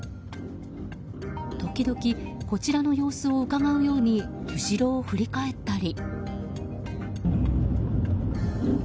時々、こちらの様子をうかがうように後ろを振り返ったり。